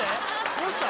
どうした？